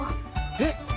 えっ！？